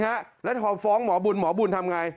แล้วพอฟ้องหมอบุญหมอบุญทำไง